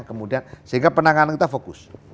kemudian sehingga penanganan kita fokus